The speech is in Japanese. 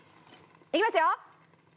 いきますよ！